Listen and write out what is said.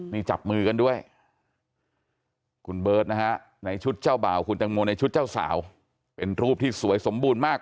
นี่จับมือกันด้วยคุณเบิร์ตนะฮะในชุดเจ้าบ่าวคุณตังโมในชุดเจ้าสาวเป็นรูปที่สวยสมบูรณ์มาก